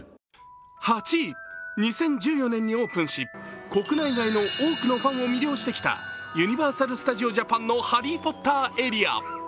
２０１４年にオープンし国内外の多くのファンを魅了してきたユニバーサル・スタジオ・ジャパンの「ハリー・ポッター」エリア。